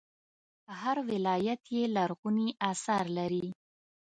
هر ولایت یې لرغوني اثار لري